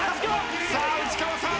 さあ内川さん